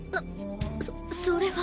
そそれは。